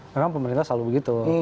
karena pemerintah selalu begitu